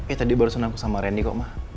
eh tadi barusan aku sama randy kok ma